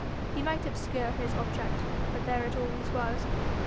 He might obscure his object, but there it always was.